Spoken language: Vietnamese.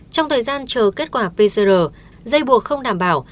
trong thời gian chờ kết quả pcr dây buộc không đảm bảo